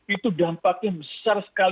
itu dampaknya besar sekali